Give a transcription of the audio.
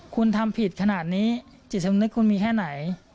คุณทำผิดขนาดนี้จิตสำนึกคุณมีแค่ไหน